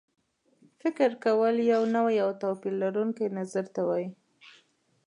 فکر کول یو نوي او توپیر لرونکي نظر ته وایي.